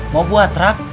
mau buat rak